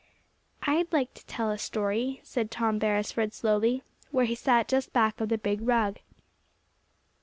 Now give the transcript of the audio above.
"I'd like to tell a story," said Tom Beresford slowly, where he sat just back of the big rug.